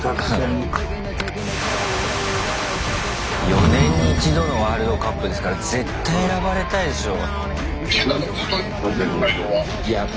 ４年に一度のワールドカップですから絶対選ばれたいでしょう。